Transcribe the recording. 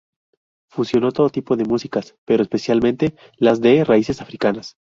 Fusionó todo tipo de músicas, pero especialmente las de raíces africanas.